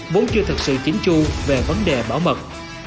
vốn chưa thực sự chính chu về vấn đề bảo mật